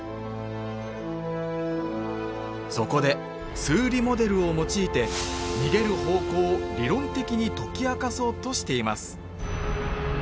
そこで数理モデルを用いて逃げる方向を理論的に解き明かそうとしています